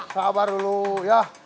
sabar dulu ya